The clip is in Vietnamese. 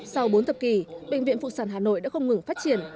sau bốn thập kỷ bệnh viện phụ sản hà nội đã không ngừng phát triển